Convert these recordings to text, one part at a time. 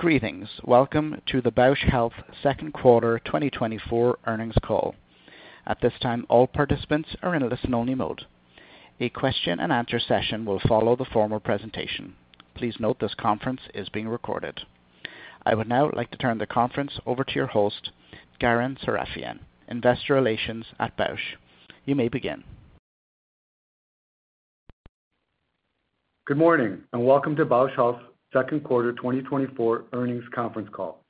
Greetings. Welcome to the Bausch Health Q2 2024 Earnings Call. At this time, all participants are in a listen-only mode. A question-and-answer session will follow the formal presentation. Please note this conference is being recorded. I would now like to turn the conference over to your host, Garen Sarafian, Investor Relations at Bausch. You may begin. Good morning and welcome to Bausch Health Q2 2024 Earnings Conference Call.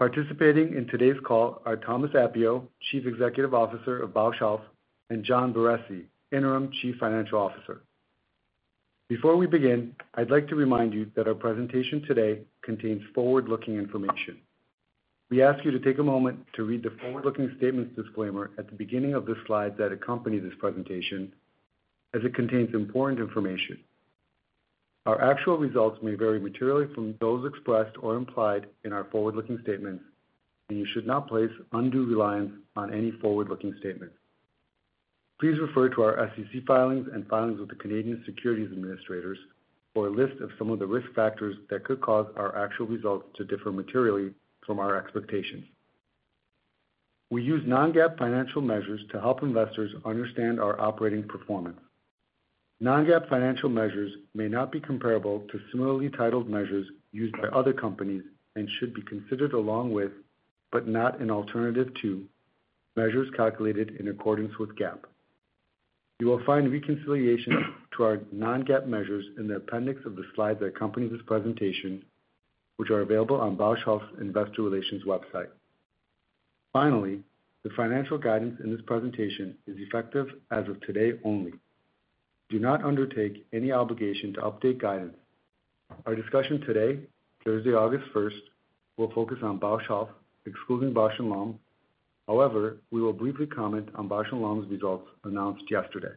Participating in today's call are Thomas Appio, Chief Executive Officer of Bausch Health, and John Barresi, Interim Chief Financial Officer. Before we begin, I'd like to remind you that our presentation today contains forward-looking information. We ask you to take a moment to read the forward-looking statements disclaimer at the beginning of the slides that accompany this presentation, as it contains important information. Our actual results may vary materially from those expressed or implied in our forward-looking statements, and you should not place undue reliance on any forward-looking statements. Please refer to our SEC filings and filings with the Canadian Securities Administrators for a list of some of the risk factors that could cause our actual results to differ materially from our expectations. We use non-GAAP financial measures to help investors understand our operating performance. Non-GAAP financial measures may not be comparable to similarly titled measures used by other companies and should be considered along with, but not an alternative to, measures calculated in accordance with GAAP. You will find reconciliation to our non-GAAP measures in the appendix of the slides that accompany this presentation, which are available on Bausch Health's Investor Relations website. Finally, the financial guidance in this presentation is effective as of today only. Do not undertake any obligation to update guidance. Our discussion today, Thursday, August 1st, will focus on Bausch Health, excluding Bausch + Lomb. However, we will briefly comment on Bausch + Lomb's results announced yesterday.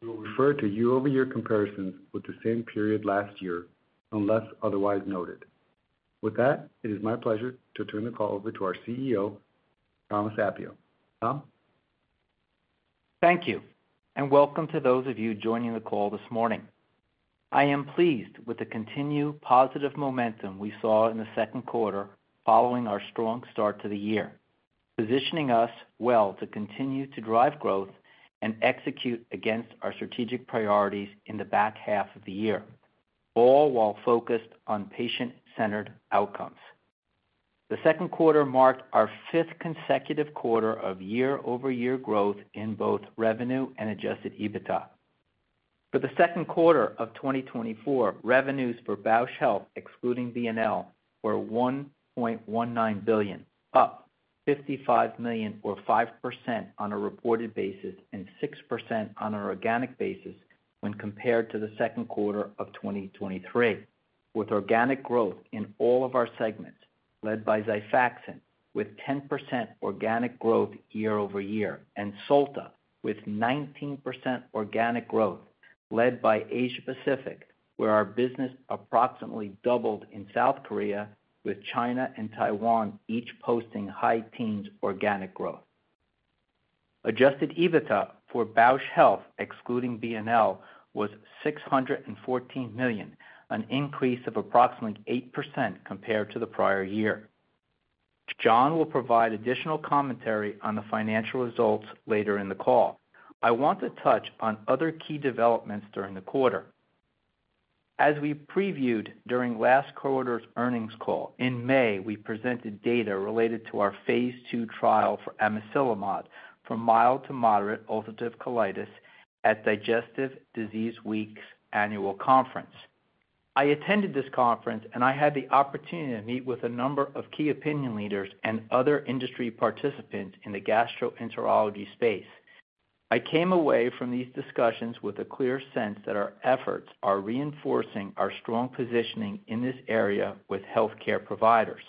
We will refer to year-over-year comparisons with the same period last year, unless otherwise noted. With that, it is my pleasure to turn the call over to our CEO, Thomas Appio. Tom? Thank you, and welcome to those of you joining the call this morning. I am pleased with the continued positive momentum we saw in the Q2 following our strong start to the year, positioning us well to continue to drive growth and execute against our strategic priorities in the back half of the year, all while focused on patient-centered outcomes. The Q2 marked our fifth consecutive quarter of year-over-year growth in both revenue and Adjusted EBITDA. For the Q2 of 2024, revenues for Bausch Health, excluding BNL, were $1.19 billion, up $55 million, or 5% on a reported basis and 6% on an organic basis when compared to the Q2 of 2023, with organic growth in all of our segments, led by Xifaxan, with 10% organic growth year-over-year, and Solta, with 19% organic growth, led by Asia-Pacific, where our business approximately doubled in South Korea, with China and Taiwan each posting high teens organic growth. Adjusted EBITDA for Bausch Health, excluding BNL, was $614 million, an increase of approximately 8% compared to the prior year. John will provide additional commentary on the financial results later in the call. I want to touch on other key developments during the quarter. As we previewed during last quarter's Earnings Call, in May, we presented data related to our Phase II trial for amiselimod for mild to moderate ulcerative colitis at Digestive Disease Week's annual conference. I attended this conference, and I had the opportunity to meet with a number of key opinion leaders and other industry participants in the gastroenterology space. I came away from these discussions with a clear sense that our efforts are reinforcing our strong positioning in this area with healthcare providers.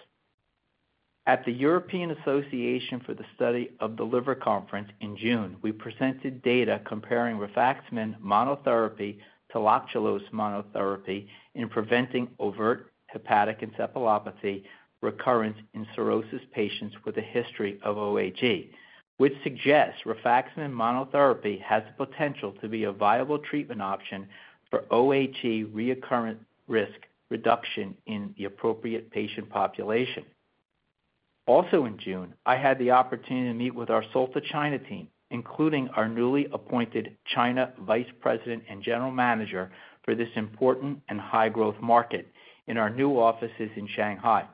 At the European Association for the Study of the Liver Conference in June, we presented data comparing rifaximin monotherapy to lactulose monotherapy in preventing overt hepatic encephalopathy recurrence in cirrhosis patients with a history of OHE, which suggests rifaximin monotherapy has the potential to be a viable treatment option for OHE reoccurrence risk reduction in the appropriate patient population. Also in June, I had the opportunity to meet with our Solta China team, including our newly appointed China Vice President and General Manager for this important and high-growth market in our new offices in Shanghai.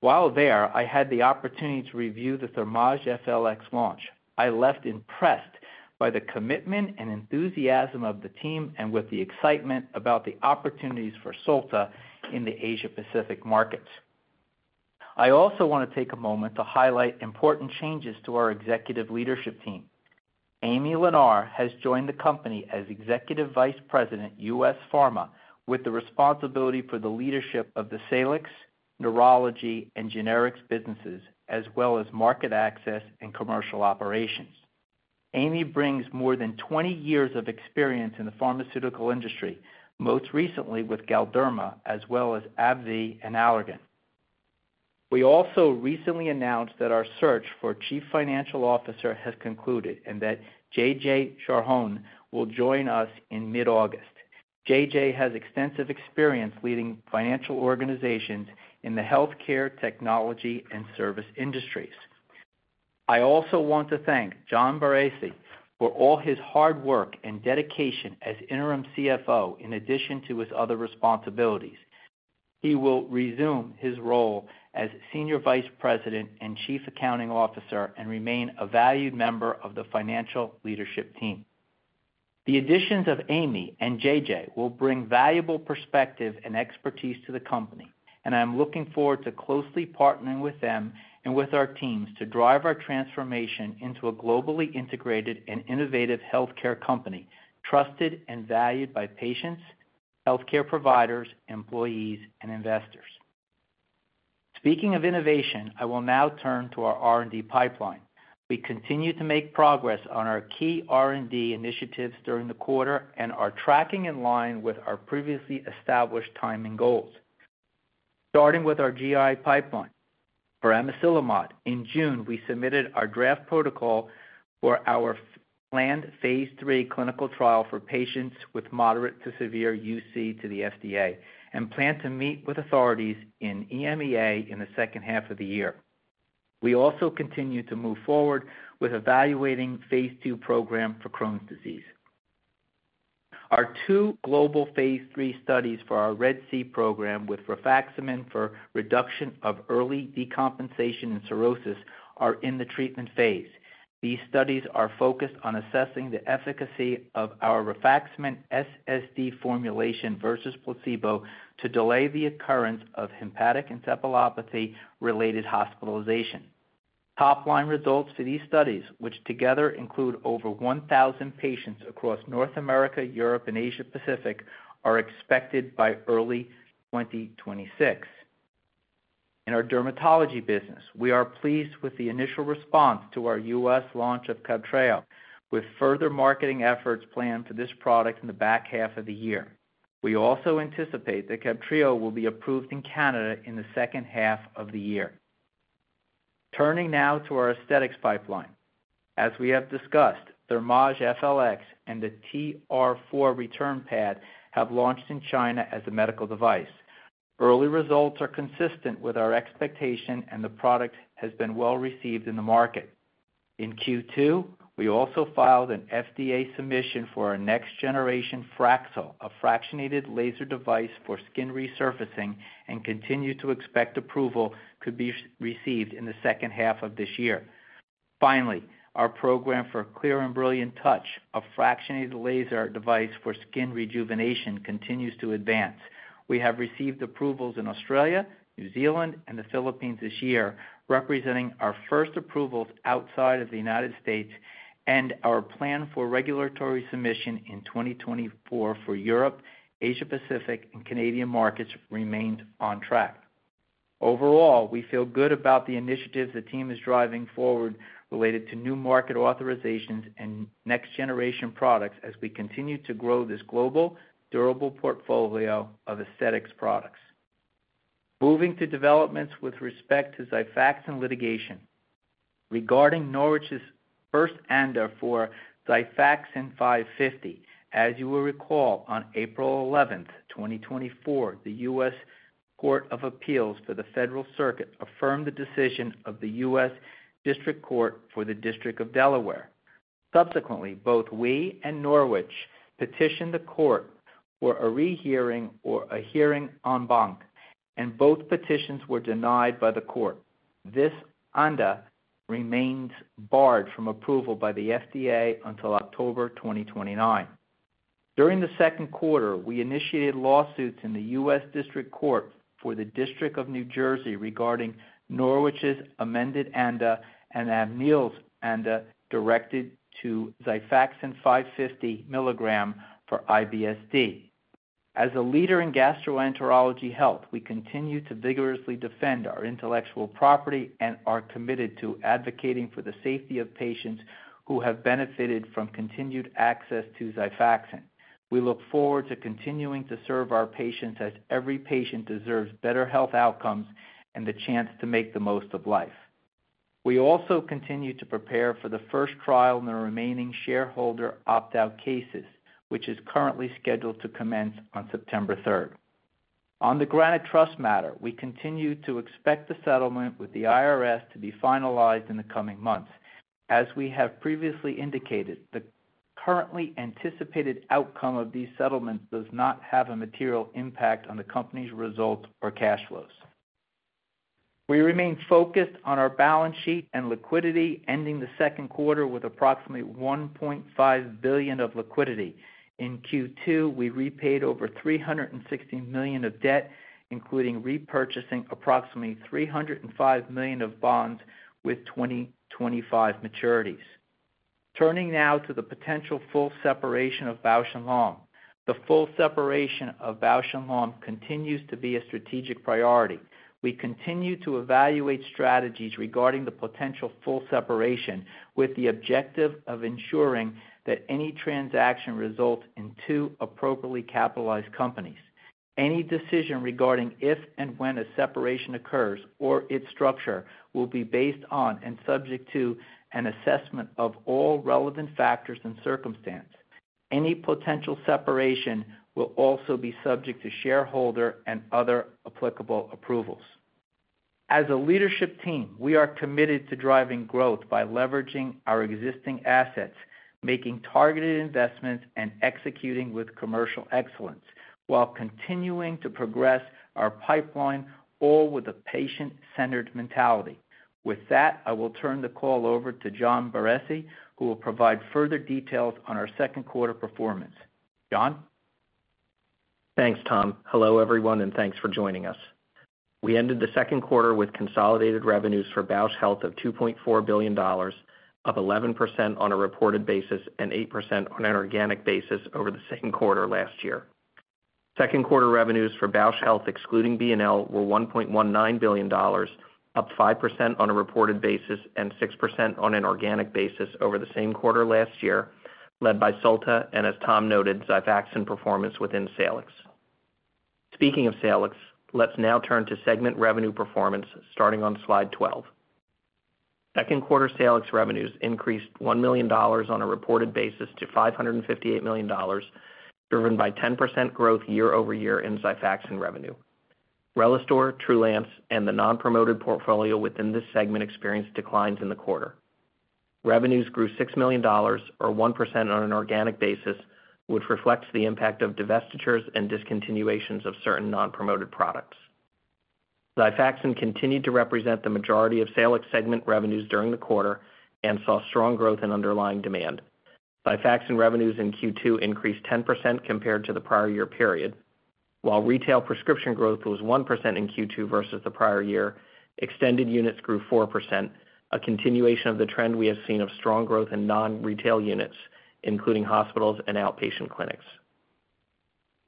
While there, I had the opportunity to review the Thermage FLX launch. I left impressed by the commitment and enthusiasm of the team and with the excitement about the opportunities for Solta in the Asia-Pacific markets. I also want to take a moment to highlight important changes to our executive leadership team. Aimee Lenar has joined the company as Executive Vice President, US Pharma, with the responsibility for the leadership of the Salix, Neurology, and Generics businesses, as well as market access and commercial operations. Aimee brings more than 20 years of experience in the pharmaceutical industry, most recently with Galderma, as well as AbbVie and Allergan. We also recently announced that our search for Chief Financial Officer has concluded and that J.J. Charhon will join us in mid-August. J.J. has extensive experience leading financial organizations in the healthcare, technology, and service industries. I also want to thank John Barresi for all his hard work and dedication as Interim CFO, in addition to his other responsibilities. He will resume his role as Senior Vice President and Chief Accounting Officer and remain a valued member of the financial leadership team. The additions of Aimee and J.J. will bring valuable perspective and expertise to the company, and I'm looking forward to closely partnering with them and with our teams to drive our transformation into a globally integrated and innovative healthcare company, trusted and valued by patients, healthcare providers, employees, and investors. Speaking of innovation, I will now turn to our R&D pipeline. We continue to make progress on our key R&D initiatives during the quarter and are tracking in line with our previously established timing goals. Starting with our GI pipeline for Amiselimod, in June, we submitted our draft protocol for our planned Phase III clinical trial for patients with moderate to severe UC to the FDA and plan to meet with authorities in EMEA in the second half of the year. We also continue to move forward with evaluating Phase II program for Crohn's Disease. Our two global Phase III studies for our RED-C program with rifaximin for reduction of early decompensation and cirrhosis are in the treatment phase. These studies are focused on assessing the efficacy of our rifaximin SSD formulation versus placebo to delay the occurrence of hepatic encephalopathy-related hospitalization. Top-line results for these studies, which together include over 1,000 patients across North America, Europe, and Asia-Pacific, are expected by early 2026. In our dermatology business, we are pleased with the initial response to our U.S. launch of Cabtreo, with further marketing efforts planned for this product in the back half of the year. We also anticipate that Cabtreo will be approved in Canada in the second half of the year. Turning now to our aesthetics pipeline. As we have discussed, Thermage FLX and the TR4 return pad have launched in China as a medical device. Early results are consistent with our expectation, and the product has been well received in the market. In Q2, we also filed an FDA submission for our next-generation Fraxel, a fractionated laser device for skin resurfacing, and continue to expect approval to be received in the second half of this year. Finally, our program for Clear + Brilliant Touch, a fractionated laser device for skin rejuvenation, continues to advance. We have received approvals in Australia, New Zealand, and the Philippines this year, representing our first approvals outside of the United States, and our plan for regulatory submission in 2024 for Europe, Asia-Pacific, and Canadian markets remains on track. Overall, we feel good about the initiatives the team is driving forward related to new market authorizations and next-generation products as we continue to grow this global, durable portfolio of aesthetics products. Moving to developments with respect to Xifaxan litigation. Regarding Norwich's first ANDA for Xifaxan 550, as you will recall, on April 11th, 2024, the U.S. Court of Appeals for the Federal Circuit affirmed the decision of the U.S. District Court for the District of Delaware. Subsequently, both we and Norwich petitioned the court for a rehearing or a hearing en banc, and both petitions were denied by the court. This ANDA remains barred from approval by the FDA until October 2029. During the Q2, we initiated lawsuits in the U.S. District Court for the District of New Jersey regarding Norwich's amended ANDA and Amneal's ANDA directed to Xifaxan 550 milligram for IBS-D. As a leader in gastroenterology health, we continue to vigorously defend our intellectual property and are committed to advocating for the safety of patients who have benefited from continued access to Xifaxan. We look forward to continuing to serve our patients as every patient deserves better health outcomes and the chance to make the most of life. We also continue to prepare for the first trial in the remaining shareholder opt-out cases, which is currently scheduled to commence on September 3rd. On the Granite Trust matter, we continue to expect the settlement with the IRS to be finalized in the coming months. As we have previously indicated, the currently anticipated outcome of these settlements does not have a material impact on the company's results or cash flows. We remain focused on our balance sheet and liquidity, ending the Q2 with approximately $1.5 billion of liquidity. In Q2, we repaid over $360 million of debt, including repurchasing approximately $305 million of bonds with 2025 maturities. Turning now to the potential full separation of Bausch + Lomb. The full separation of Bausch + Lomb continues to be a strategic priority. We continue to evaluate strategies regarding the potential full separation, with the objective of ensuring that any transaction results in two appropriately capitalized companies. Any decision regarding if and when a separation occurs or its structure will be based on and subject to an assessment of all relevant factors and circumstances. Any potential separation will also be subject to shareholder and other applicable approvals. As a leadership team, we are committed to driving growth by leveraging our existing assets, making targeted investments, and executing with commercial excellence, while continuing to progress our pipeline, all with a patient-centered mentality. With that, I will turn the call over to John Barresi, who will provide further details on our Q2 performance. John? Thanks, Tom. Hello, everyone, and thanks for joining us. We ended the Q2 with consolidated revenues for Bausch Health of $2.4 billion, up 11% on a reported basis and 8% on an organic basis over the same quarter last year. Q2 revenues for Bausch Health, excluding BNL, were $1.19 billion, up 5% on a reported basis and 6% on an organic basis over the same quarter last year, led by Solta and, as Tom noted, Xifaxan performance within Salix. Speaking of Salix, let's now turn to segment revenue performance, starting on slide 12. Q2 Salix revenues increased $1 million on a reported basis to $558 million, driven by 10% growth year-over-year in Xifaxan revenue. Relistor, Trulance, and the non-promoted portfolio within this segment experienced declines in the quarter. Revenues grew $6 million, or 1% on an organic basis, which reflects the impact of divestitures and discontinuations of certain non-promoted products. Xifaxan continued to represent the majority of Salix segment revenues during the quarter and saw strong growth in underlying demand. Xifaxan revenues in Q2 increased 10% compared to the prior year period. While retail prescription growth was 1% in Q2 versus the prior year, extended units grew 4%, a continuation of the trend we have seen of strong growth in non-retail units, including hospitals and outpatient clinics.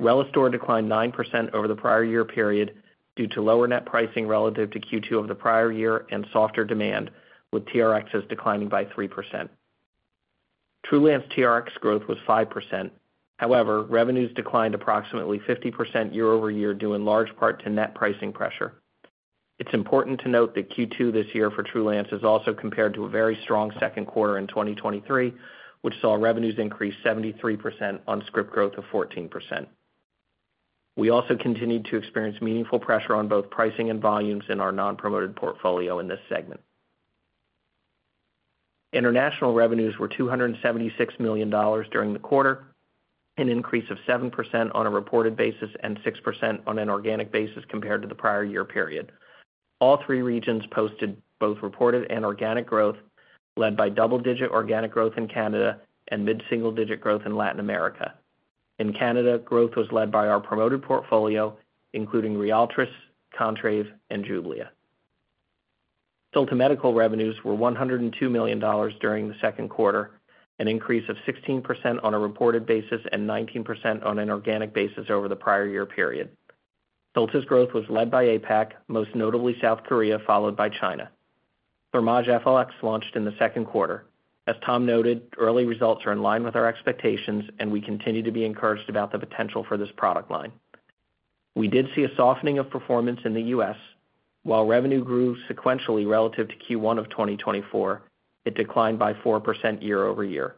Relistor declined 9% over the prior year period due to lower net pricing relative to Q2 of the prior year and softer demand, with TRXs declining by 3%. Trulance TRX growth was 5%. However, revenues declined approximately 50% year-over-year, due in large part to net pricing pressure. It's important to note that Q2 this year for Trulance is also compared to a very strong Q2 in 2023, which saw revenues increase 73% on script growth of 14%. We also continued to experience meaningful pressure on both pricing and volumes in our non-promoted portfolio in this segment. International revenues were $276 million during the quarter, an increase of 7% on a reported basis and 6% on an organic basis compared to the prior year period. All three regions posted both reported and organic growth, led by double-digit organic growth in Canada and mid-single-digit growth in Latin America. In Canada, growth was led by our promoted portfolio, including Ryaltris, Contrave, and Jublia. Solta Medical revenues were $102 million during the Q2, an increase of 16% on a reported basis and 19% on an organic basis over the prior year period. Solta's growth was led by APAC, most notably South Korea, followed by China. Thermage FLX launched in the Q2. As Tom noted, early results are in line with our expectations, and we continue to be encouraged about the potential for this product line. We did see a softening of performance in the U.S. While revenue grew sequentially relative to Q1 of 2024, it declined by 4% year-over-year.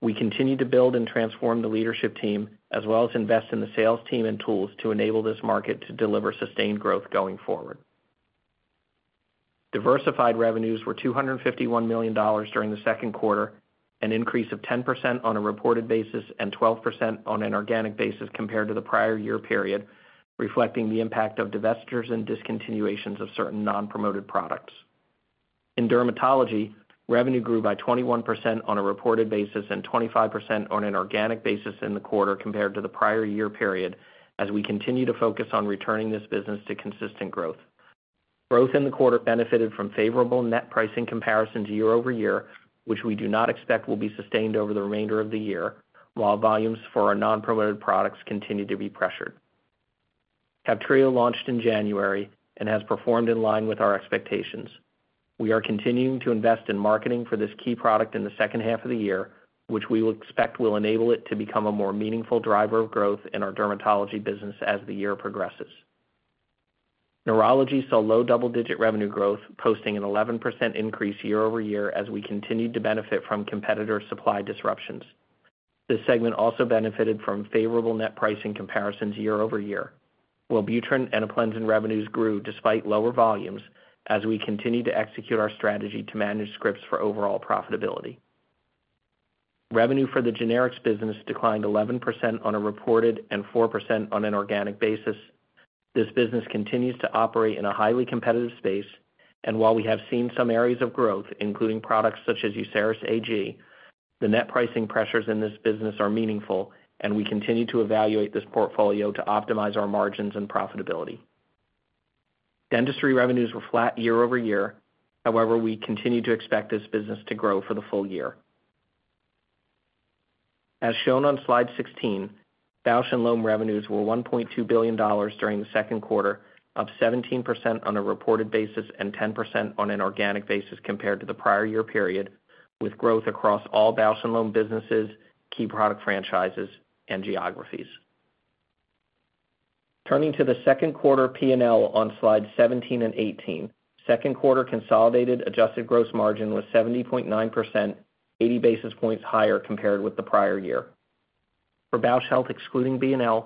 We continue to build and transform the leadership team, as well as invest in the sales team and tools to enable this market to deliver sustained growth going forward. Diversified revenues were $251 million during the Q2, an increase of 10% on a reported basis and 12% on an organic basis compared to the prior year period, reflecting the impact of divestitures and discontinuations of certain non-promoted products. In dermatology, revenue grew by 21% on a reported basis and 25% on an organic basis in the quarter compared to the prior year period, as we continue to focus on returning this business to consistent growth. Growth in the quarter benefited from favorable net pricing comparison year-over-year, which we do not expect will be sustained over the remainder of the year, while volumes for our non-promoted products continue to be pressured. Cabtreo launched in January and has performed in line with our expectations. We are continuing to invest in marketing for this key product in the second half of the year, which we will expect will enable it to become a more meaningful driver of growth in our dermatology business as the year progresses. Neurology saw low double-digit revenue growth, posting an 11% increase year-over-year as we continued to benefit from competitor supply disruptions. This segment also benefited from favorable net pricing comparison year-over-year. Wellbutrin and Aplenzin revenues grew despite lower volumes as we continue to execute our strategy to manage scripts for overall profitability. Revenue for the generics business declined 11% on a reported and 4% on an organic basis. This business continues to operate in a highly competitive space, and while we have seen some areas of growth, including products such as Uceris AG, the net pricing pressures in this business are meaningful, and we continue to evaluate this portfolio to optimize our margins and profitability. Dentistry revenues were flat year-over-year. However, we continue to expect this business to grow for the full year. As shown on slide 16, Bausch + Lomb revenues were $1.2 billion during the Q2, up 17% on a reported basis and 10% on an organic basis compared to the prior year period, with growth across all Bausch + Lomb businesses, key product franchises, and geographies. Turning to the Q2 P&L on slides 17 and 18, Q2 consolidated adjusted gross margin was 70.9%, 80 basis points higher compared with the prior year. For Bausch Health, excluding BNL,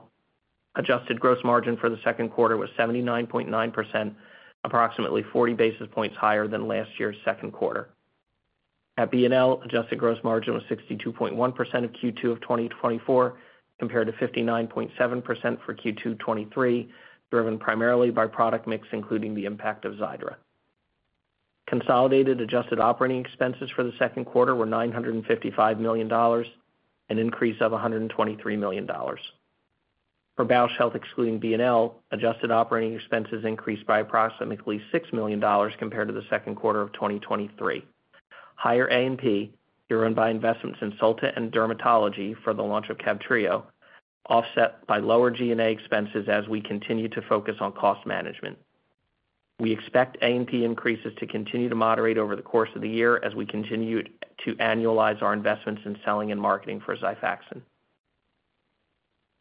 adjusted gross margin for the Q2 was 79.9%, approximately 40 basis points higher than last year's Q2. At BNL, adjusted gross margin was 62.1% of Q2 of 2024 compared to 59.7% for Q2 2023, driven primarily by product mix, including the impact of Xiidra. Consolidated adjusted operating expenses for the Q2 were $955 million, an increase of $123 million. For Bausch Health, excluding BNL, adjusted operating expenses increased by approximately $6 million compared to the Q2 of 2023. Higher A&P driven by investments in Solta and dermatology for the launch of Cabtreo, offset by lower G&A expenses as we continue to focus on cost management. We expect A&P increases to continue to moderate over the course of the year as we continue to annualize our investments in selling and marketing for Xifaxan.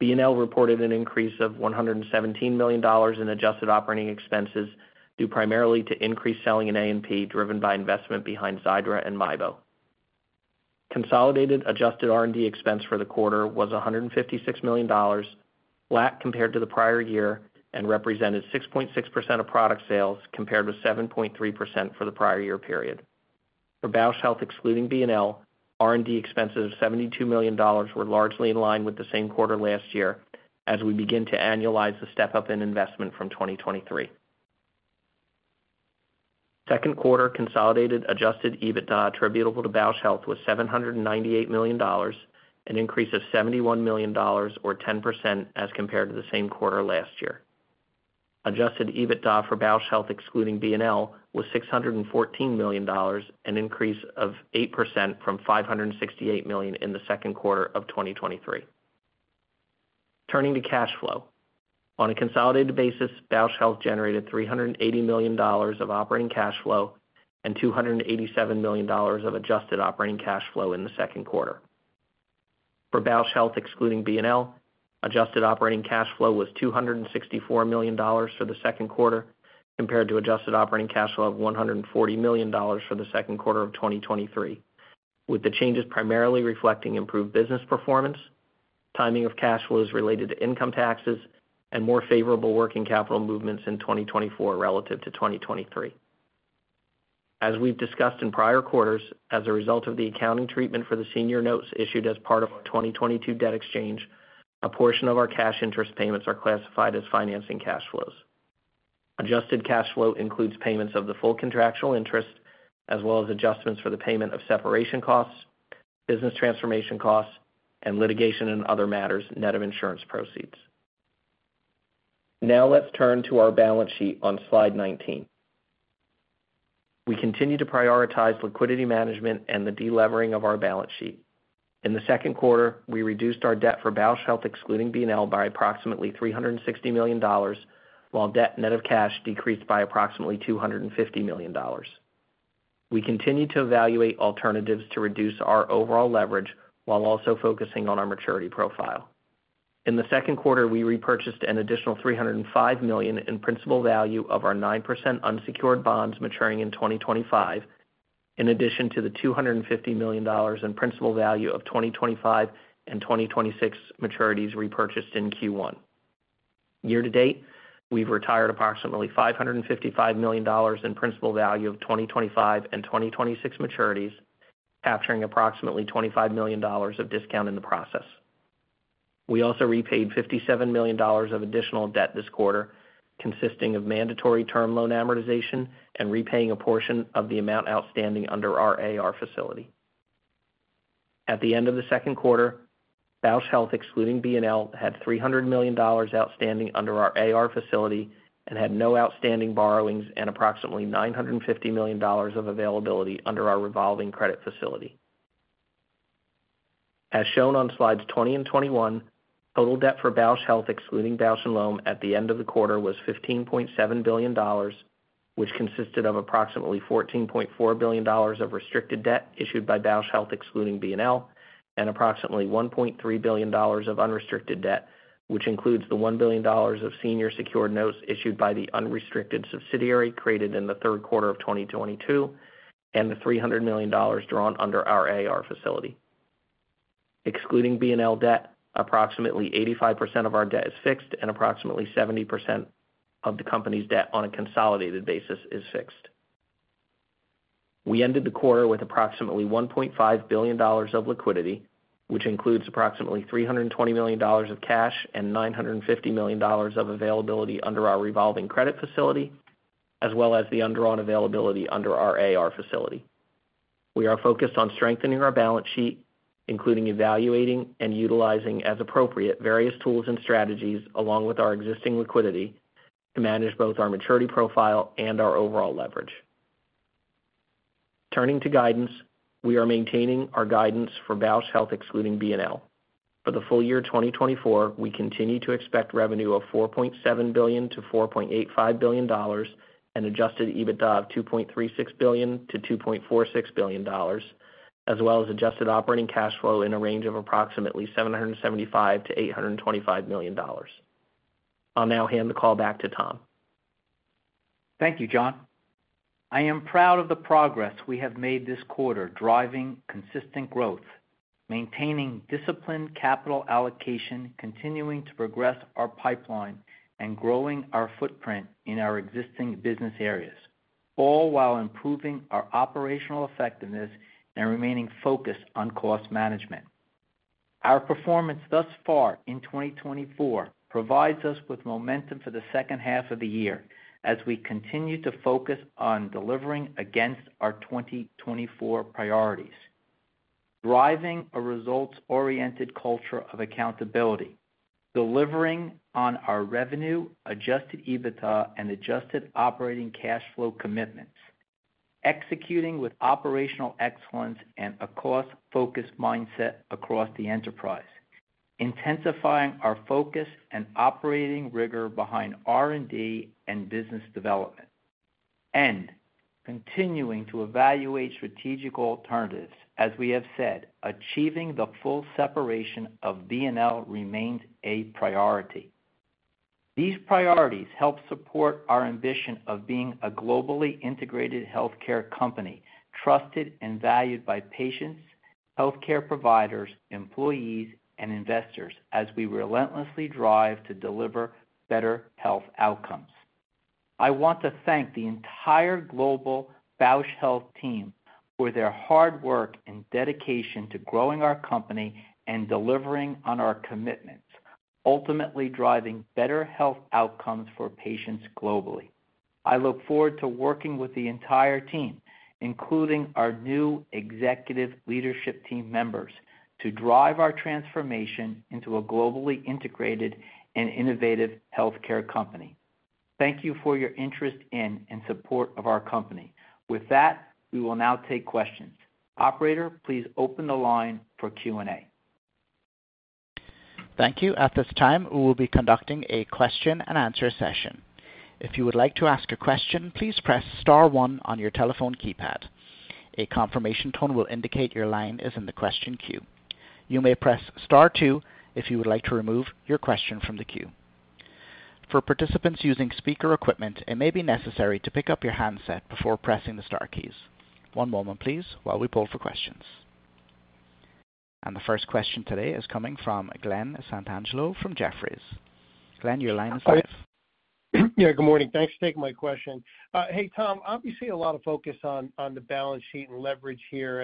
BNL reported an increase of $117 million in adjusted operating expenses due primarily to increased selling in A&P, driven by investment behind Xiidra and MIEBO. Consolidated adjusted R&D expense for the quarter was $156 million, flat compared to the prior year, and represented 6.6% of product sales compared with 7.3% for the prior year period. For Bausch Health, excluding BNL, R&D expenses of $72 million were largely in line with the same quarter last year as we begin to annualize the step-up in investment from 2023. Q2 consolidated adjusted EBITDA attributable to Bausch Health was $798 million, an increase of $71 million, or 10% as compared to the same quarter last year. Adjusted EBITDA for Bausch Health, excluding BNL, was $614 million, an increase of 8% from $568 million in the Q2 of 2023. Turning to cash flow. On a consolidated basis, Bausch Health generated $380 million of operating cash flow and $287 million of adjusted operating cash flow in the Q2. For Bausch Health, excluding BNL, adjusted operating cash flow was $264 million for the Q2 compared to adjusted operating cash flow of $140 million for the Q2 of 2023, with the changes primarily reflecting improved business performance, timing of cash flows related to income taxes, and more favorable working capital movements in 2024 relative to 2023. As we've discussed in prior quarters, as a result of the accounting treatment for the senior notes issued as part of our 2022 debt exchange, a portion of our cash interest payments are classified as financing cash flows. Adjusted cash flow includes payments of the full contractual interest, as well as adjustments for the payment of separation costs, business transformation costs, and litigation and other matters, net of insurance proceeds. Now let's turn to our balance sheet on slide 19. We continue to prioritize liquidity management and the delevering of our balance sheet. In the Q2, we reduced our debt for Bausch Health, excluding BNL, by approximately $360 million, while debt net of cash decreased by approximately $250 million. We continue to evaluate alternatives to reduce our overall leverage while also focusing on our maturity profile. In the Q2, we repurchased an additional $305 million in principal value of our 9% unsecured bonds maturing in 2025, in addition to the $250 million in principal value of 2025 and 2026 maturities repurchased in Q1. Year to date, we've retired approximately $555 million in principal value of 2025 and 2026 maturities, capturing approximately $25 million of discount in the process. We also repaid $57 million of additional debt this quarter, consisting of mandatory term loan amortization and repaying a portion of the amount outstanding under our AR facility. At the end of the Q2, Bausch Health, excluding BNL, had $300 million outstanding under our AR facility and had no outstanding borrowings and approximately $950 million of availability under our revolving credit facility. As shown on slides 20 and 21, total debt for Bausch Health, excluding Bausch + Lomb, at the end of the quarter was $15.7 billion, which consisted of approximately $14.4 billion of restricted debt issued by Bausch Health, excluding BNL, and approximately $1.3 billion of unrestricted debt, which includes the $1 billion of senior secured notes issued by the unrestricted subsidiary created in the Q3 of 2022 and the $300 million drawn under our AR facility. Excluding BNL debt, approximately 85% of our debt is fixed and approximately 70% of the company's debt on a consolidated basis is fixed. We ended the quarter with approximately $1.5 billion of liquidity, which includes approximately $320 million of cash and $950 million of availability under our revolving credit facility, as well as the undrawn availability under our AR facility. We are focused on strengthening our balance sheet, including evaluating and utilizing, as appropriate, various tools and strategies along with our existing liquidity to manage both our maturity profile and our overall leverage. Turning to guidance, we are maintaining our guidance for Bausch Health, excluding BNL. For the full year 2024, we continue to expect revenue of $4.7 billion-$4.85 billion and Adjusted EBITDA of $2.36 billion-$2.46 billion, as well as adjusted operating cash flow in a range of approximately $775 million-$825 million. I'll now hand the call back to Tom. Thank you, John. I am proud of the progress we have made this quarter, driving consistent growth, maintaining disciplined capital allocation, continuing to progress our pipeline, and growing our footprint in our existing business areas, all while improving our operational effectiveness and remaining focused on cost management. Our performance thus far in 2024 provides us with momentum for the second half of the year as we continue to focus on delivering against our 2024 priorities, driving a results-oriented culture of accountability, delivering on our revenue-adjusted EBITDA and adjusted operating cash flow commitments, executing with operational excellence and a cost-focused mindset across the enterprise, intensifying our focus and operating rigor behind R&D and business development, and continuing to evaluate strategic alternatives. As we have said, achieving the full separation of BNL remains a priority. These priorities help support our ambition of being a globally integrated healthcare company, trusted and valued by patients, healthcare providers, employees, and investors as we relentlessly drive to deliver better health outcomes. I want to thank the entire global Bausch Health team for their hard work and dedication to growing our company and delivering on our commitments, ultimately driving better health outcomes for patients globally. I look forward to working with the entire team, including our new executive leadership team members, to drive our transformation into a globally integrated and innovative healthcare company. Thank you for your interest in and support of our company. With that, we will now take questions. Operator, please open the line for Q&A. Thank you. At this time, we will be conducting a question-and-answer session. If you would like to ask a question, please press Star 1 on your telephone keypad. A confirmation tone will indicate your line is in the question queue. You may press Star 2 if you would like to remove your question from the queue. For participants using speaker equipment, it may be necessary to pick up your handset before pressing the Star keys. One moment, please, while we pull for questions. And the first question today is coming from Glen Santangelo from Jefferies. Glen, your line is live. Yeah, good morning. Thanks for taking my question. Hey, Tom, obviously a lot of focus on the balance sheet and leverage here.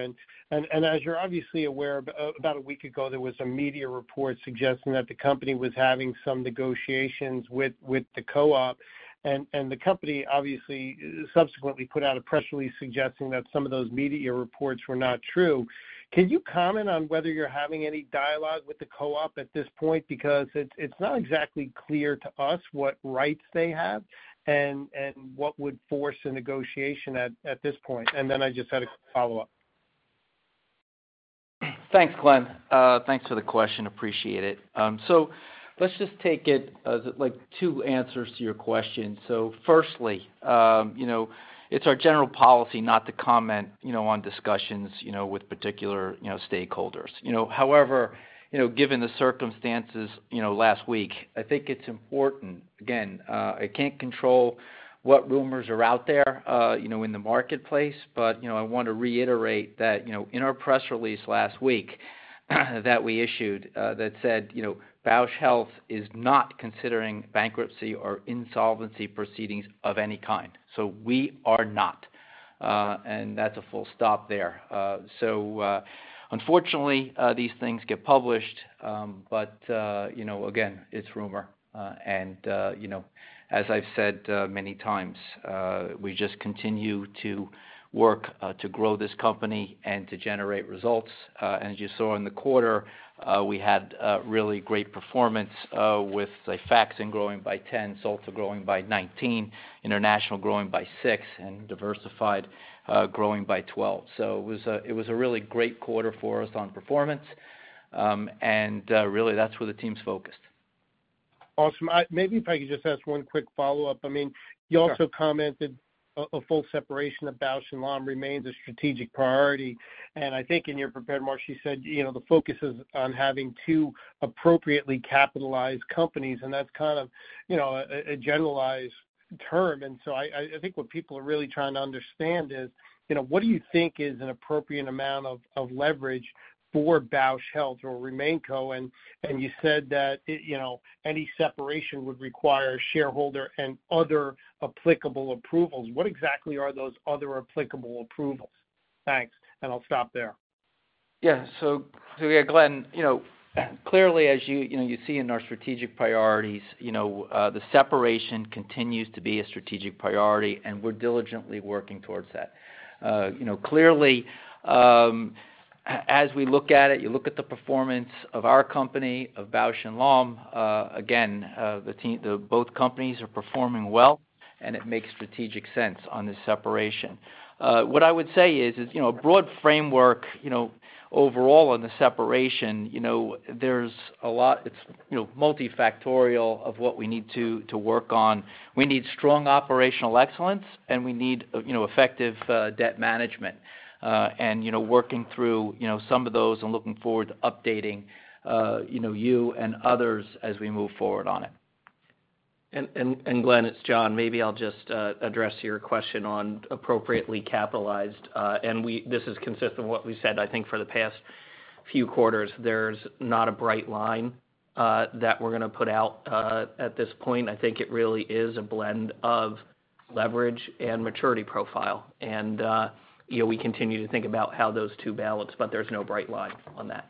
And as you're obviously aware, about a week ago, there was a media report suggesting that the company was having some negotiations with the co-op. And the company obviously subsequently put out a press release suggesting that some of those media reports were not true. Can you comment on whether you're having any dialogue with the co-op at this point? Because it's not exactly clear to us what rights they have and what would force a negotiation at this point. And then I just had a follow-up. Thanks, Glen. Thanks for the question. Appreciate it. So let's just take it as two answers to your question. So firstly, it's our general policy not to comment on discussions with particular stakeholders. However, given the circumstances last week, I think it's important. Again, I can't control what rumors are out there in the marketplace, but I want to reiterate that in our press release last week that we issued that said Bausch Health is not considering bankruptcy or insolvency proceedings of any kind. So we are not. And that's a full stop there. So unfortunately, these things get published, but again, it's rumor. And as I've said many times, we just continue to work to grow this company and to generate results. And as you saw in the quarter, we had really great performance with Xifaxan growing by 10%, Solta growing by 19%, International growing by 6%, and Diversified growing by 12%. So it was a really great quarter for us on performance. And really, that's where the team's focused. Awesome. Maybe if I could just ask one quick follow-up. I mean, you also commented a full separation of Bausch + Lomb remains a strategic priority. And I think in your prepared remarks, you said the focus is on having two appropriately capitalized companies. And that's kind of a generalized term. And so I think what people are really trying to understand is, what do you think is an appropriate amount of leverage for Bausch Health or Remainco, and you said that any separation would require a shareholder and other applicable approvals. What exactly are those other applicable approvals? Thanks. And I'll stop there. Yeah. So yeah, Glen, clearly, as you see in our strategic priorities, the separation continues to be a strategic priority, and we're diligently working towards that. Clearly, as we look at it, you look at the performance of our company, of Bausch + Lomb, again, both companies are performing well, and it makes strategic sense on this separation. What I would say is a broad framework overall on the separation, there's a lot. It's multifactorial of what we need to work on. We need strong operational excellence, and we need effective debt management. Working through some of those and looking forward to updating you and others as we move forward on it. Glen, it's John. Maybe I'll just address your question on appropriately capitalized. This is consistent with what we've said, I think, for the past few quarters. There's not a bright line that we're going to put out at this point. I think it really is a blend of leverage and maturity profile. We continue to think about how those two balance, but there's no bright line on that.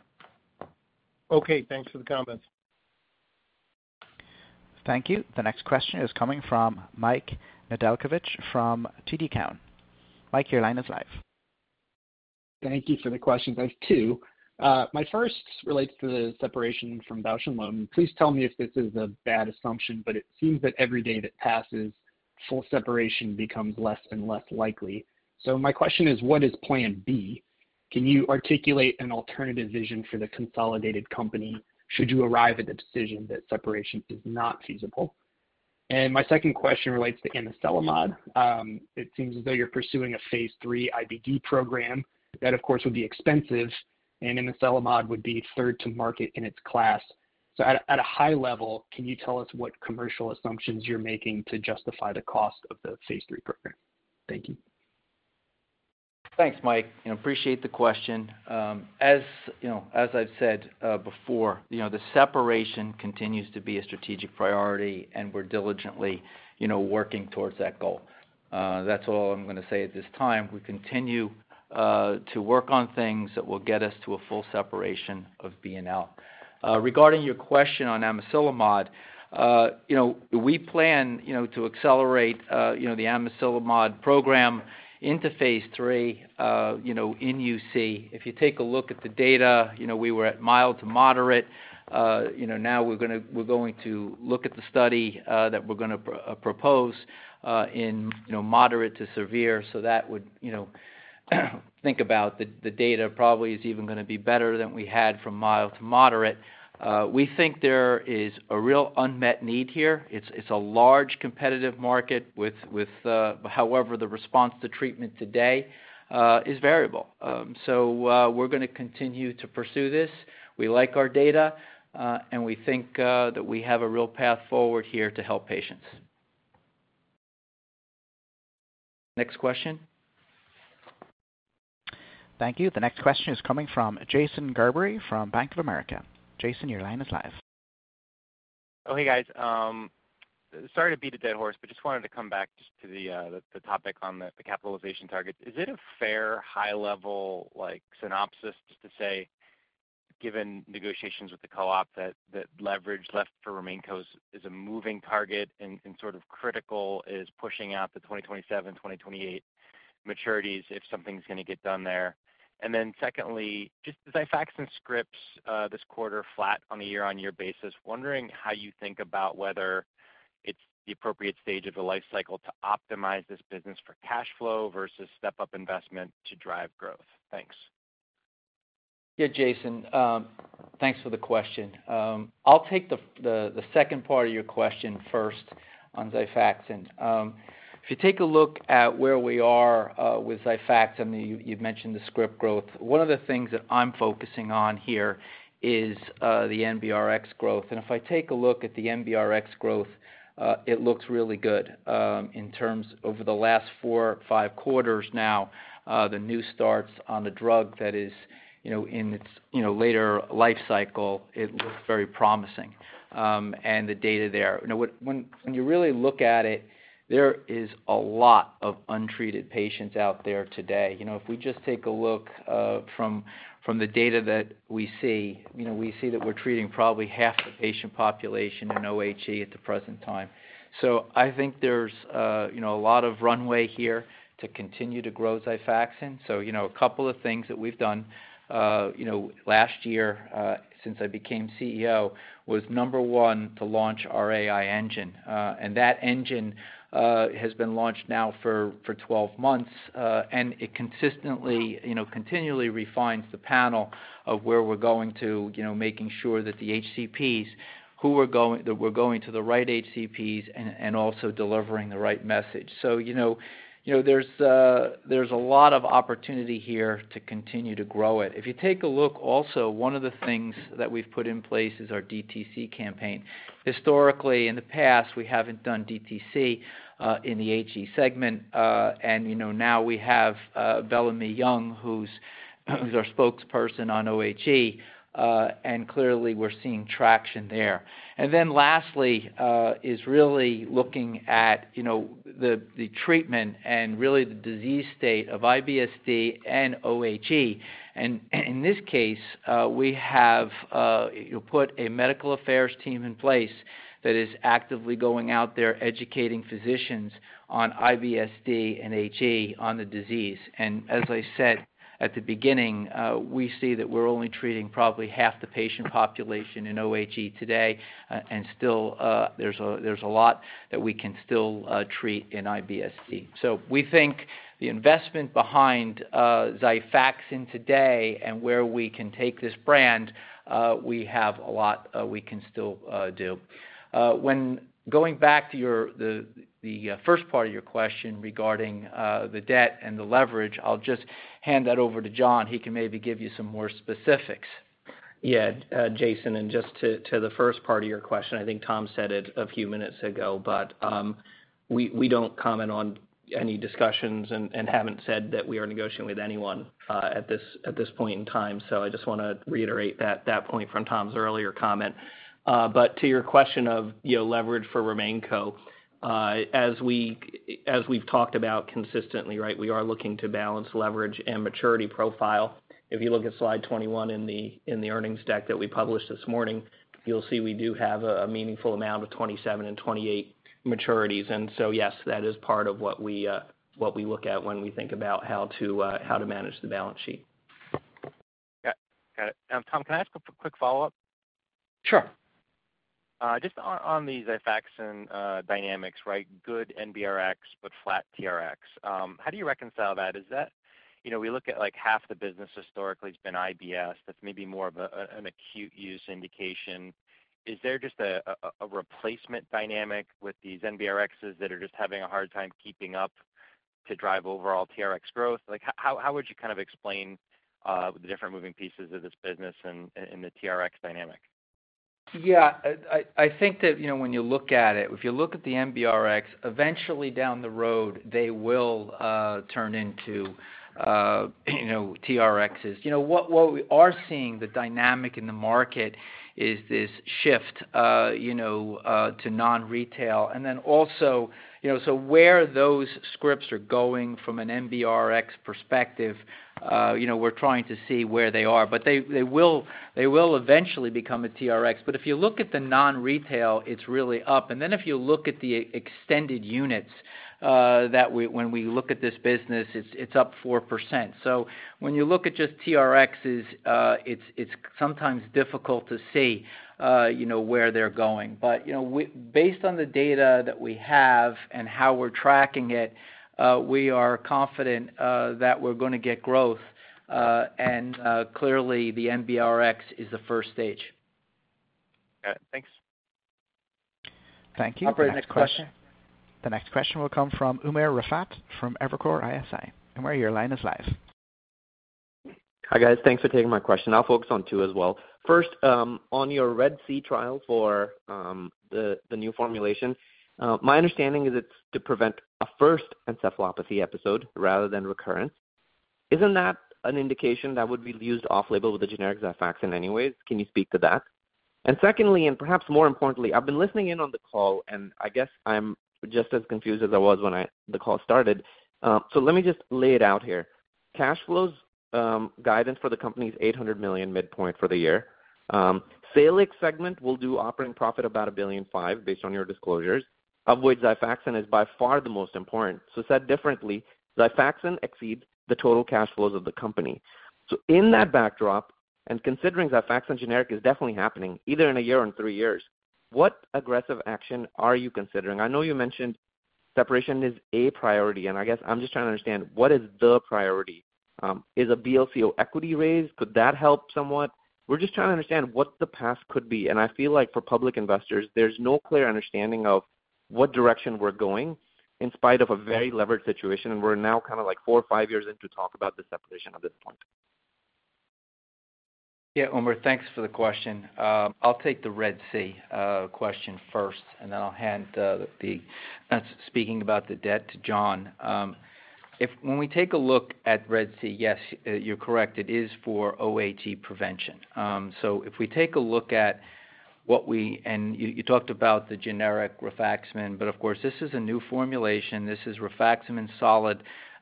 Okay. Thanks for the comments. Thank you. The next question is coming from Mike Nedelcovych from TD Cowen. Mike, your line is live. Thank you for the questions. I have two. My first relates to the separation from Bausch + Lomb. Please tell me if this is a bad assumption, but it seems that every day that passes, full separation becomes less and less likely. So my question is, what is plan B? Can you articulate an alternative vision for the consolidated company should you arrive at the decision that separation is not feasible? And my second question relates to Amiselimod. It seems as though you're pursuing a Phase III IBD program. That, of course, would be expensive, and Amiselimod would be third to market in its class. So at a high level, can you tell us what commercial assumptions you're making to justify the cost of the Phase III program? Thank you. Thanks, Mike. I appreciate the question. As I've said before, the separation continues to be a strategic priority, and we're diligently working towards that goal. That's all I'm going to say at this time. We continue to work on things that will get us to a full separation of BNL. Regarding your question on Amiselimod, we plan to accelerate the Amiselimod program into Phase III in UC. If you take a look at the data, we were at mild to moderate. Now we're going to look at the study that we're going to propose in moderate to severe. So that would think about the data probably is even going to be better than we had from mild to moderate. We think there is a real unmet need here. It's a large competitive market, however, the response to treatment today is variable. So we're going to continue to pursue this. We like our data, and we think that we have a real path forward here to help patients. Next question. Thank you. The next question is coming from Jason Gerberry from Bank of America. Jason, your line is live. Oh, hey, guys. Sorry to beat a dead horse, but just wanted to come back to the topic on the capitalization target. Is it a fair high-level synopsis to say, given negotiations with the co-op, that leverage left for Remaincos is a moving target and sort of critical is pushing out the 2027, 2028 maturities if something's going to get done there? And then secondly, just Xifaxan scripts this quarter flat on a year-on-year basis. Wondering how you think about whether it's the appropriate stage of the life cycle to optimize this business for cash flow versus step-up investment to drive growth. Thanks. Yeah, Jason, thanks for the question. I'll take the second part of your question first on Xifaxan. If you take a look at where we are with Xifaxan, you've mentioned the script growth. One of the things that I'm focusing on here is the NBRX growth. And if I take a look at the NBRX growth, it looks really good in terms over the last four, five quarters now, the new starts on the drug that is in its later life cycle, it looks very promising. And the data there. When you really look at it, there is a lot of untreated patients out there today. If we just take a look from the data that we see, we see that we're treating probably half the patient population in OHE at the present time. So I think there's a lot of runway here to continue to grow Xifaxan. So a couple of things that we've done last year since I became CEO was, number one, to launch our AI engine. And that engine has been launched now for 12 months, and it consistently, continually refines the panel of where we're going to, making sure that the HCPs that we're going to the right HCPs and also delivering the right message. So there's a lot of opportunity here to continue to grow it. If you take a look, also, one of the things that we've put in place is our DTC campaign. Historically, in the past, we haven't done DTC in the HE segment. And now we have Bellamy Young, who's our spokesperson on OHE, and clearly, we're seeing traction there. And then lastly is really looking at the treatment and really the disease state of IBS-D and OHE. And in this case, we have put a medical affairs team in place that is actively going out there educating physicians on IBS-D and HE on the disease. And as I said at the beginning, we see that we're only treating probably half the patient population in OHE today, and still, there's a lot that we can still treat in IBS-D. So we think the investment behind Xifaxan today and where we can take this brand, we have a lot we can still do. Going back to the first part of your question regarding the debt and the leverage, I'll just hand that over to John. He can maybe give you some more specifics. Yeah, Jason, and just to the first part of your question, I think Tom said it a few minutes ago, but we don't comment on any discussions and haven't said that we are negotiating with anyone at this point in time. So I just want to reiterate that point from Tom's earlier comment. But to your question of leverage for Remainco, as we've talked about consistently, right, we are looking to balance leverage and maturity profile. If you look at slide 21 in the earnings deck that we published this morning, you'll see we do have a meaningful amount of 2027 and 2028 maturities. And so yes, that is part of what we look at when we think about how to manage the balance sheet. Got it. Tom, can I ask a quick follow-up? Sure. Just on the Xifaxan dynamics, right? Good NBRX, but flat TRX. How do you reconcile that? We look at half the business historically has been IBS. That's maybe more of an acute use indication. Is there just a replacement dynamic with these NBRXs that are just having a hard time keeping up to drive overall TRX growth? How would you kind of explain the different moving pieces of this business and the TRX dynamic? Yeah. I think that when you look at it, if you look at the NBRX, eventually down the road, they will turn into TRXs. What we are seeing, the dynamic in the market, is this shift to non-retail. And then also, so where those scripts are going from an NBRX perspective, we're trying to see where they are. But they will eventually become a TRX. But if you look at the non-retail, it's really up. And then if you look at the extended units, when we look at this business, it's up 4%. So when you look at just TRXs, it's sometimes difficult to see where they're going. But based on the data that we have and how we're tracking it, we are confident that we're going to get growth. Clearly, the NBRX is the first stage. Got it. Thanks. Thank you. The next question will come from Umer Raffat from Evercore ISI. Umer, your line is live. Hi guys. Thanks for taking my question. I'll focus on two as well. First, on your RED-C trial for the new formulation, my understanding is it's to prevent a first encephalopathy episode rather than recurrence. Isn't that an indication that would be used off-label with the generic Xifaxan anyways? Can you speak to that? And secondly, and perhaps more importantly, I've been listening in on the call, and I guess I'm just as confused as I was when the call started. So let me just lay it out here. Cash flows guidance for the company is $800 million midpoint for the year. Salix segment will do operating profit about $1.5 billion based on your disclosures. Of which Xifaxan is by far the most important. So said differently, Xifaxan exceeds the total cash flows of the company. So in that backdrop, and considering Xifaxan generic is definitely happening either in one year or in three years, what aggressive action are you considering? I know you mentioned separation is a priority, and I guess I'm just trying to understand what is the priority. Is a BLCO equity raise? Could that help somewhat? We're just trying to understand what the path could be. And I feel like for public investors, there's no clear understanding of what direction we're going in spite of a very levered situation, and we're now kind of like four or five years into talk about the separation at this point. Yeah, Umer, thanks for the question. I'll take the RED-C question first, and then I'll hand the speaking about the debt to John. When we take a look at RED-C, yes, you're correct. It is for OHE prevention. If we take a look at what we and you talked about the generic Rifaximin, but of course, this is a new formulation. This is rifaximin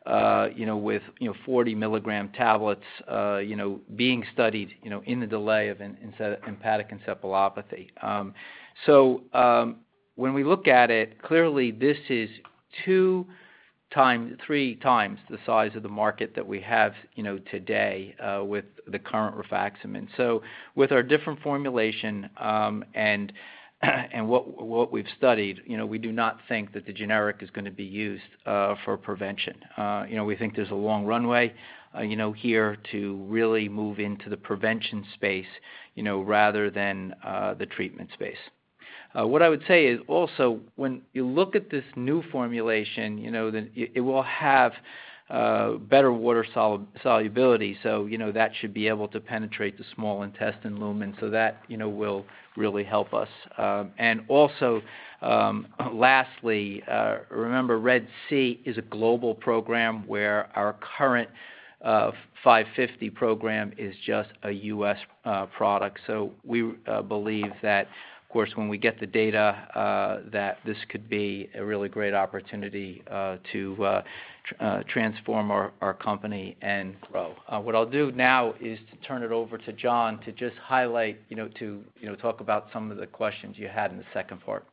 SSD with 40 mg tablets being studied in the delay of hepatic encephalopathy. When we look at it, clearly, this is 2 times, 3 times the size of the market that we have today with the current Rifaximin. With our different formulation and what we've studied, we do not think that the generic is going to be used for prevention. We think there's a long runway here to really move into the prevention space rather than the treatment space. What I would say is also, when you look at this new formulation, it will have better water solubility. So that should be able to penetrate the small intestine lumen, so that will really help us. And also, lastly, remember, RED-C is a global program where our current 550 program is just a U.S. product. So we believe that, of course, when we get the data, that this could be a really great opportunity to transform our company and grow. What I'll do now is to turn it over to John to just highlight, to talk about some of the questions you had in the second part.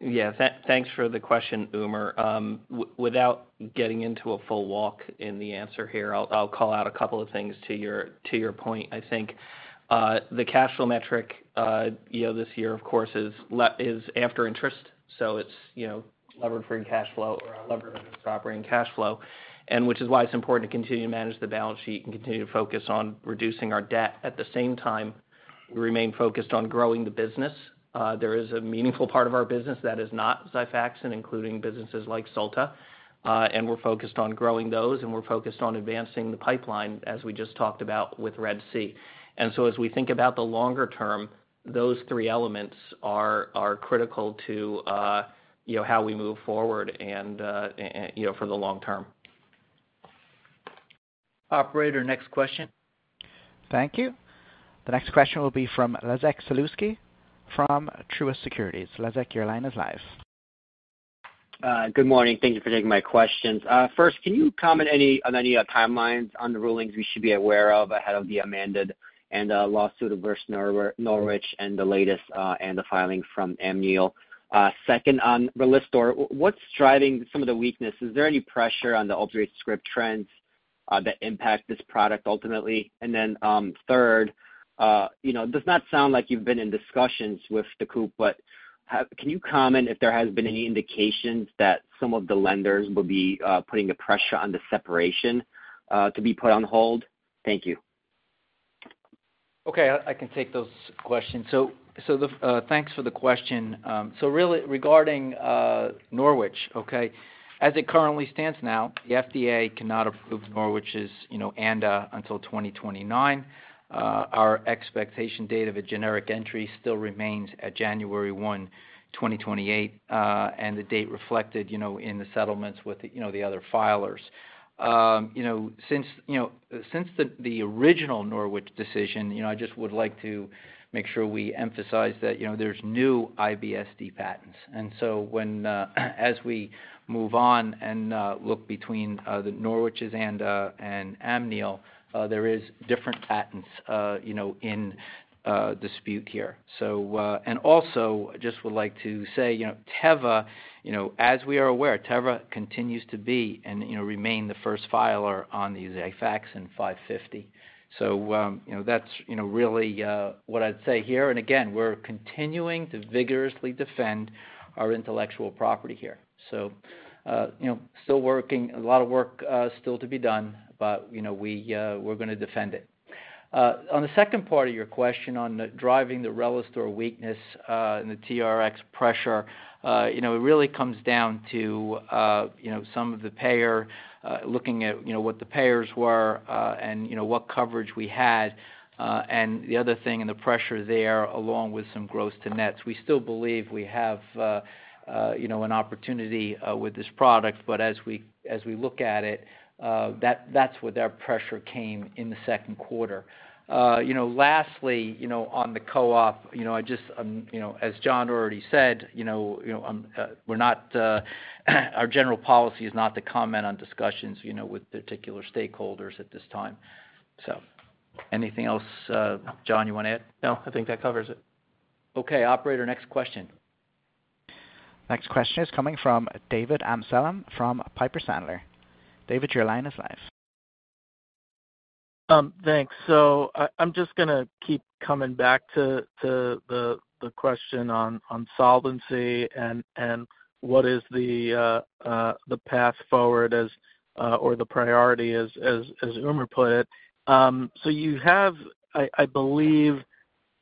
Yeah, thanks for the question, Umer. Without getting into a full walk in the answer here, I'll call out a couple of things to your point. I think the cash flow metric this year, of course, is after interest. So it's leverage-free cash flow or leverage-operating cash flow, which is why it's important to continue to manage the balance sheet and continue to focus on reducing our debt at the same time we remain focused on growing the business. There is a meaningful part of our business that is not Xifaxan, including businesses like Solta. And we're focused on growing those, and we're focused on advancing the pipeline, as we just talked about with RED-C. And so as we think about the longer term, those three elements are critical to how we move forward and for the long term. Operator, next question. Thank you. The next question will be from Les Sulewski from Truist Securities. Les, your line is live. Good morning. Thank you for taking my questions. First, can you comment on any timelines on the rulings we should be aware of ahead of the amended ANDA lawsuit of Norwich and the latest ANDA filing from Amneal? Second, on Relistor, what's driving some of the weakness? Is there any pressure on the ultimate script trends that impact this product ultimately? And then third, does not sound like you've been in discussions with the co-op, but can you comment if there has been any indications that some of the lenders will be putting the pressure on the separation to be put on hold? Thank you. Okay, I can take those questions. So thanks for the question. So really, regarding Norwich, okay, as it currently stands now, the FDA cannot approve Norwich's ANDA until 2029. Our expected date of a generic entry still remains at January 1, 2028, and the date reflected in the settlements with the other filers. Since the original Norwich decision, I just would like to make sure we emphasize that there's new IBS-D patents. So as we move on and look between the Norwich's and Amneal, there are different patents in dispute here. Also, I just would like to say, Teva, as we are aware, Teva continues to be and remain the first filer on these Xifaxan 550. So that's really what I'd say here. Again, we're continuing to vigorously defend our intellectual property here. So still working, a lot of work still to be done, but we're going to defend it. On the second part of your question on driving the Relistor weakness and the TRX pressure, it really comes down to some of the payers looking at what the payers were and what coverage we had. And the other thing and the pressure there, along with some gross to nets, we still believe we have an opportunity with this product. But as we look at it, that's where their pressure came in the Q2. Lastly, on the co-op, just as John already said, our general policy is not to comment on discussions with particular stakeholders at this time. So anything else, John, you want to add? No, I think that covers it. Okay, operator, next question. Next question is coming from David Amsellem from Piper Sandler. David, your line is live. Thanks. So I'm just going to keep coming back to the question on solvency and what is the path forward or the priority, as Umer put it. So you have, I believe,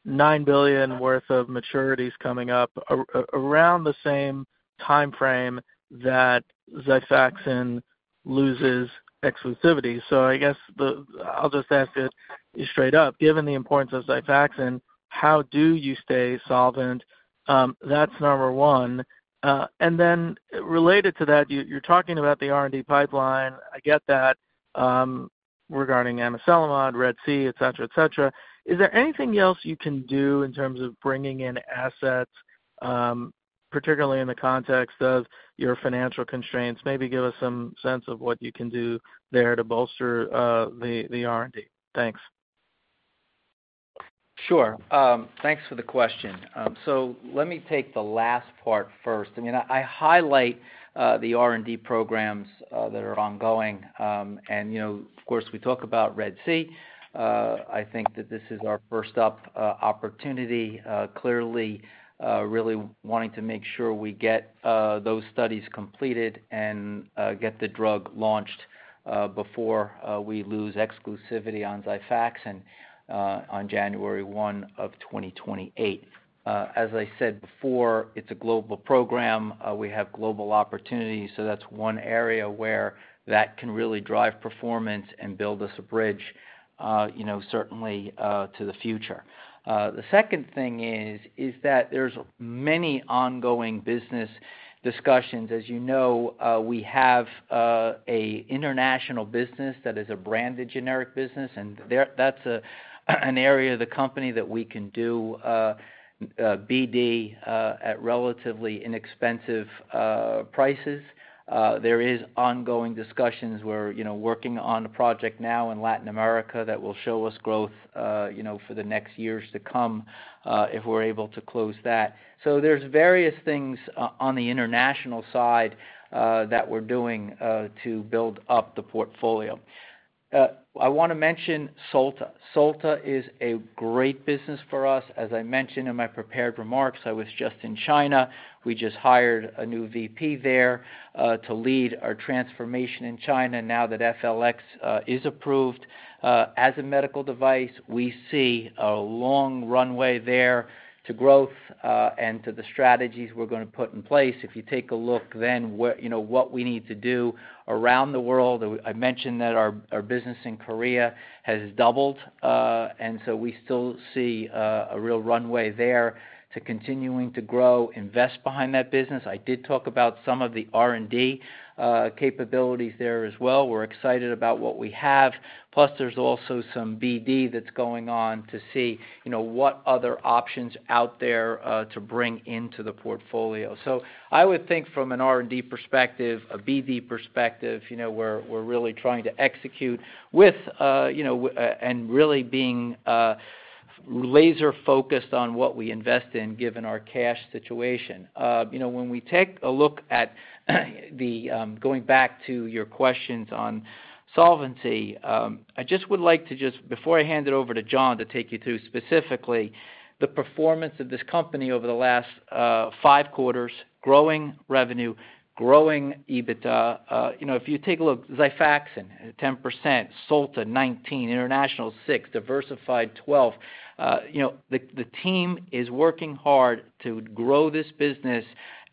$9 billion worth of maturities coming up around the same timeframe that Xifaxan loses exclusivity. So I guess I'll just ask it straight up. Given the importance of Xifaxan, how do you stay solvent? That's number one. And then related to that, you're talking about the R&D pipeline. I get that regarding Amiselimod on RED-C, etc., etc. Is there anything else you can do in terms of bringing in assets, particularly in the context of your financial constraints? Maybe give us some sense of what you can do there to bolster the R&D. Thanks. Sure. Thanks for the question. So let me take the last part first. I mean, I highlight the R&D programs that are ongoing. Of course, we talk about RED-C. I think that this is our first-up opportunity, clearly really wanting to make sure we get those studies completed and get the drug launched before we lose exclusivity on Xifaxan on January 1 of 2028. As I said before, it's a global program. We have global opportunities. That's one area where that can really drive performance and build us a bridge, certainly to the future. The second thing is that there's many ongoing business discussions. As you know, we have an international business that is a branded generic business, and that's an area of the company that we can do BD at relatively inexpensive prices. There are ongoing discussions we're working on a project now in Latin America that will show us growth for the next years to come if we're able to close that. So there's various things on the international side that we're doing to build up the portfolio. I want to mention Solta. Solta is a great business for us. As I mentioned in my prepared remarks, I was just in China. We just hired a new VP there to lead our transformation in China now that FLX is approved as a medical device. We see a long runway there to growth and to the strategies we're going to put in place. If you take a look then what we need to do around the world, I mentioned that our business in Korea has doubled, and so we still see a real runway there to continuing to grow, invest behind that business. I did talk about some of the R&D capabilities there as well. We're excited about what we have. Plus, there's also some BD that's going on to see what other options out there to bring into the portfolio. So I would think from an R&D perspective, a BD perspective, we're really trying to execute with and really being laser-focused on what we invest in given our cash situation. When we take a look at the going back to your questions on solvency, I just would like to just, before I hand it over to John to take you through specifically the performance of this company over the last five quarters, growing revenue, growing EBITDA. If you take a look, Xifaxan 10%, SOLTA 19%, International 6%, Diversified 12%. The team is working hard to grow this business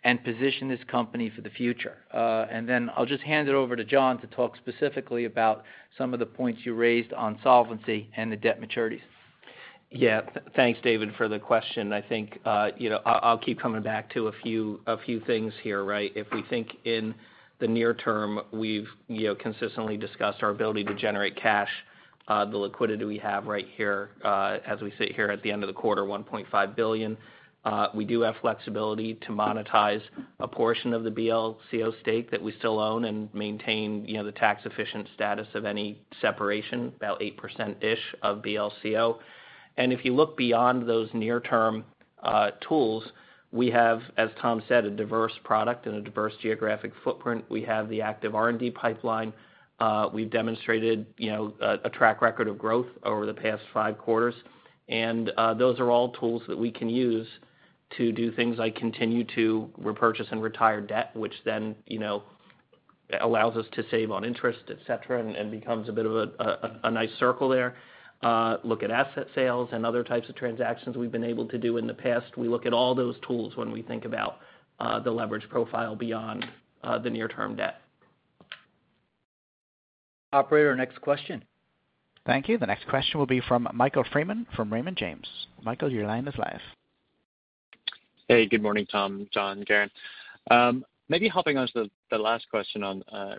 and position this company for the future. And then I'll just hand it over to John to talk specifically about some of the points you raised on solvency and the debt maturities. Yeah, thanks, David, for the question. I think I'll keep coming back to a few things here, right? If we think in the near term, we've consistently discussed our ability to generate cash, the liquidity we have right here as we sit here at the end of the quarter, $1.5 billion. We do have flexibility to monetize a portion of the BLCO stake that we still own and maintain the tax-efficient status of any separation, about 8%-ish of BLCO. And if you look beyond those near-term tools, we have, as Tom said, a diverse product and a diverse geographic footprint. We have the active R&D pipeline. We've demonstrated a track record of growth over the past five quarters. And those are all tools that we can use to do things like continue to repurchase and retire debt, which then allows us to save on interest, etc., and becomes a bit of a nice circle there. Look at asset sales and other types of transactions we've been able to do in the past. We look at all those tools when we think about the leverage profile beyond the near-term debt. Operator, next question. Thank you. The next question will be from Michael Freeman from Raymond James. Michael, your line is live. Hey, good morning, Tom, John, Garen. Maybe hopping on to the last question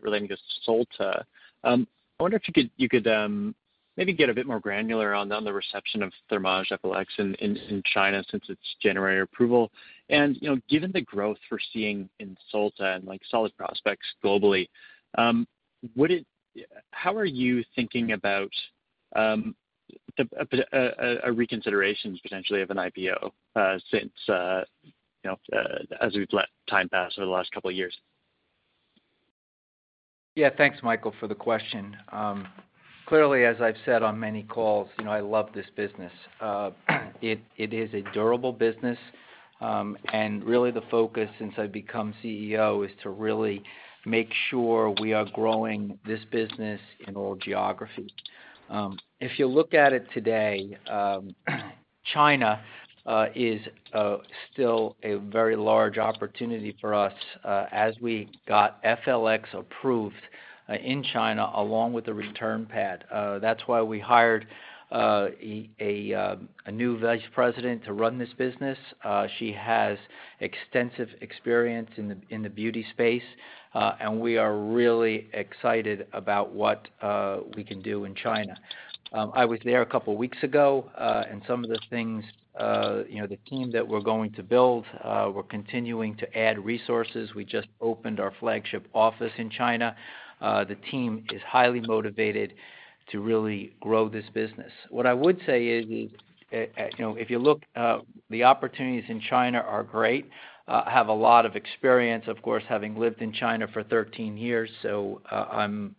relating to Solta. I wonder if you could maybe get a bit more granular on the reception of Thermage FLX in China since its January approval. Given the growth we're seeing in Solta and solid prospects globally, how are you thinking about a reconsideration potentially of an IPO as we've let time pass over the last couple of years? Yeah, thanks, Michael, for the question. Clearly, as I've said on many calls, I love this business. It is a durable business. And really, the focus since I've become CEO is to really make sure we are growing this business in all geographies. If you look at it today, China is still a very large opportunity for us as we got FLX approved in China along with the return pad. That's why we hired a new vice president to run this business. She has extensive experience in the beauty space, and we are really excited about what we can do in China. I was there a couple of weeks ago, and some of the things, the team that we're going to build, we're continuing to add resources. We just opened our flagship office in China. The team is highly motivated to really grow this business. What I would say is, if you look, the opportunities in China are great. I have a lot of experience, of course, having lived in China for 13 years. So I'm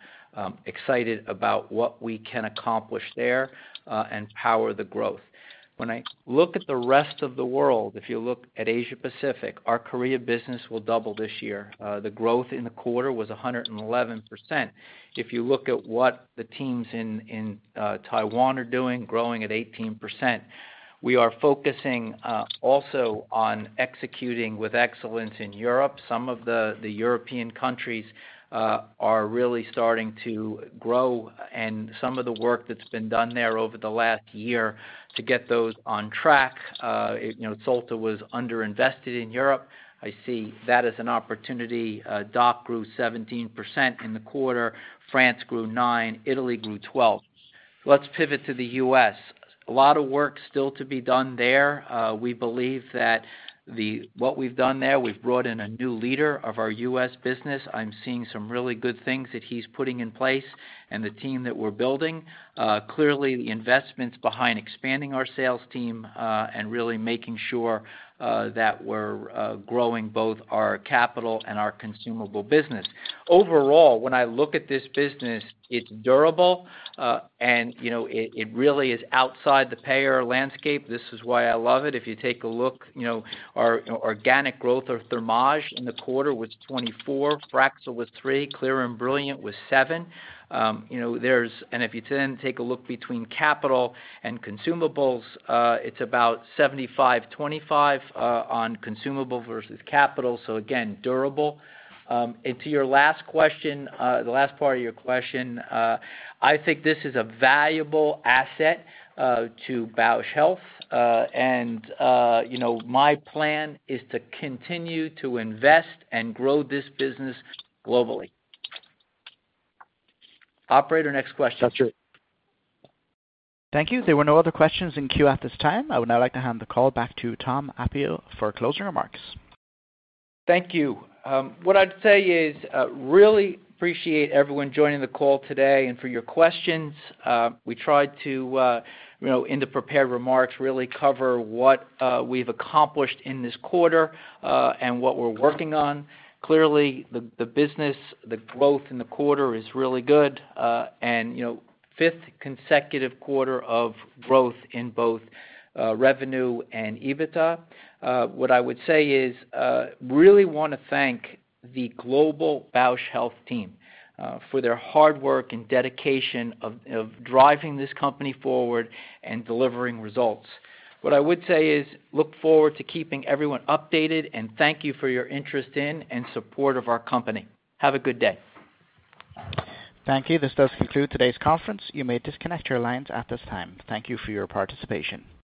excited about what we can accomplish there and power the growth. When I look at the rest of the world, if you look at Asia-Pacific, our Korea business will double this year. The growth in the quarter was 111%. If you look at what the teams in Taiwan are doing, growing at 18%. We are focusing also on executing with excellence in Europe. Some of the European countries are really starting to grow, and some of the work that's been done there over the last year to get those on track. Solta was underinvested in Europe. I see that as an opportunity. DACH grew 17% in the quarter. France grew 9%. Italy grew 12%. Let's pivot to the U.S. A lot of work still to be done there. We believe that what we've done there, we've brought in a new leader of our U.S. business. I'm seeing some really good things that he's putting in place and the team that we're building. Clearly, the investments behind expanding our sales team and really making sure that we're growing both our capital and our consumable business. Overall, when I look at this business, it's durable, and it really is outside the payer landscape. This is why I love it. If you take a look, our organic growth of Thermage in the quarter was 24. Fraxel was three. Clear and Brilliant was seven. And if you then take a look between capital and consumables, it's about 75-25 on consumables versus capital. So again, durable. And to your last question, the last part of your question, I think this is a valuable asset to Bausch Health. And my plan is to continue to invest and grow this business globally. Operator, next question. That's right. Thank you. There were no other questions in queue at this time. I would now like to hand the call back to Tom Appio for closing remarks. Thank you. What I'd say is really appreciate everyone joining the call today and for your questions. We tried to, in the prepared remarks, really cover what we've accomplished in this quarter and what we're working on. Clearly, the business, the growth in the quarter is really good and fifth consecutive quarter of growth in both revenue and EBITDA. What I would say is really want to thank the global Bausch Health team for their hard work and dedication of driving this company forward and delivering results. What I would say is look forward to keeping everyone updated, and thank you for your interest in and support of our company. Have a good day. Thank you. This does conclude today's conference. You may disconnect your lines at this time. Thank you for your participation.